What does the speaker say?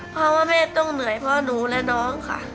เพราะว่าแม่ต้องเหนื่อยเพราะหนูและน้องค่ะ